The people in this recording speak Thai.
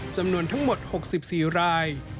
จำนวนทั้งหมด๖๔ราย